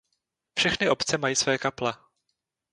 Všechny obce mají své kaple.